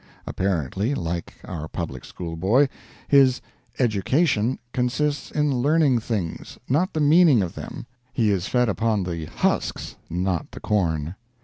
Apparently like our public school boy his "education" consists in learning things, not the meaning of them; he is fed upon the husks, not the corn.